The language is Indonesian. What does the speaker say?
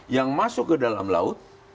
yang masuk ke dalam laut